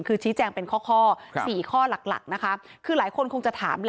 คือชี้แจงเป็นข้อ๔ข้อหลักคือหลายคนคงจะถาม